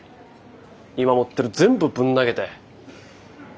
今持ってる全部ぶん投げて。